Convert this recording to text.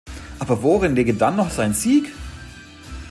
Aber worin läge dann noch sein Sieg?